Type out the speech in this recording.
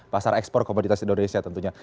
pasar ekspor komoditas indonesia tentunya